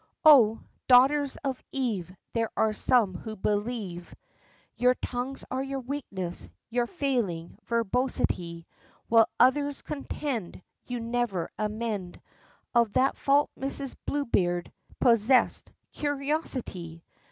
Oh! daughters of Eve, There are some who believe Your tongues are your weakness your failing, verbosity; While others contend, You'll never amend Of that fault Mrs. Bluebeard possess'd curiosity!